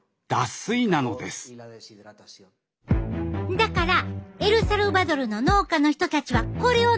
だからエルサルバドルの農家の人たちはこれを飲んでんねん。